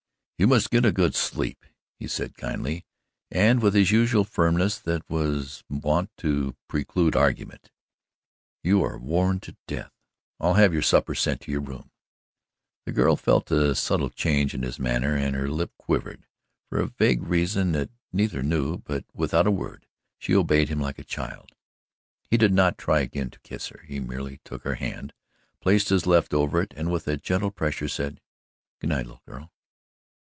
"You must get a good sleep," he said kindly, and with his usual firmness that was wont to preclude argument. "You are worn to death. I'll have your supper sent to your room." The girl felt the subtle change in his manner and her lip quivered for a vague reason that neither knew, but, without a word, she obeyed him like a child. He did not try again to kiss her. He merely took her hand, placed his left over it, and with a gentle pressure, said: "Good night, little girl."